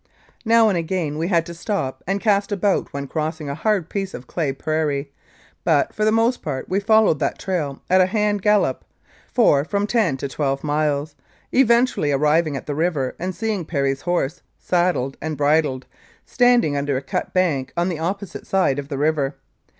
Now and again we had to stop and cast about when crossing a hard piece of clay prairie, but for the most part we followed that trail at a hand gallop for from ten to twelve miles, eventually arriving at the river and seeing Perry's horse, saddled and bridled, standing under a cut bank on the opposite side of the river.